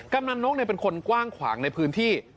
กำลังนกเป็นคนกว้างขวางในพื้นที่